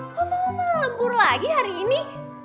kok mama malah legur lagi hari ini